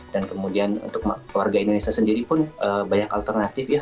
dan kemudian untuk warga indonesia sendiri pun banyak alternatif ya